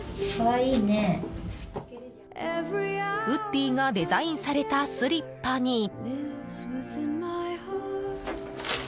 ウッディがデザインされたスリッパに。